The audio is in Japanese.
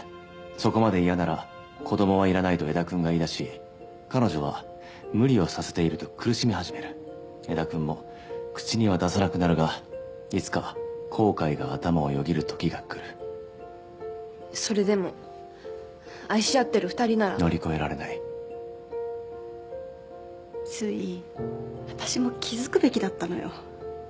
そこまで嫌なら子どもはいらないと江田君が言いだし彼女は無理をさせていると苦しみ始める江田君も口には出さなくなるがいつか後悔が頭をよぎるときが来るそれでも愛し合ってる２人なら乗り越えられないすい私も気づくべきだったのよ